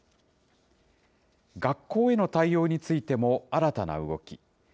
学校への対応についても新たな動き。